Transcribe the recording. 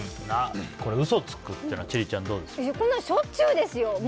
これ、嘘つくっていうのは千里ちゃん、どうですか？